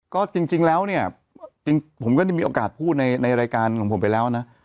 ก็จริงแล้วเนี่ยจริงผมก็ได้มีโอกาสพูดในรายการของผมไปแล้วนะ